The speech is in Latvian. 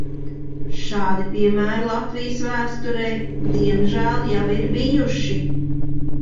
Šādi piemēri Latvijas vēsturē diemžēl jau ir bijuši.